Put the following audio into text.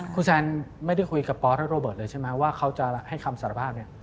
คุณแซนไม่ได้คุยกับปอสและโรเบิร์ตเลยใช่ไหมว่าเขาจะให้คำสารภาพเนี่ย